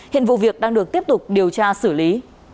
hiện vụ việc đang được tiếp tục điều tra xử lý